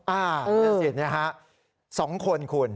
อ่านักศิลป์เนี่ยฮะ๒คนคุณ